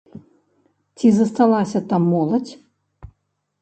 Ці засталася там моладзь?